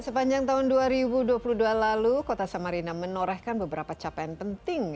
sepanjang tahun dua ribu dua puluh dua lalu kota samarina menorehkan beberapa capaian penting